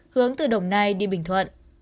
hướng từ đồng nai đi bình thuận